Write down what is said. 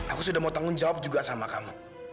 aku sudah mau tanggung jawab juga sama kamu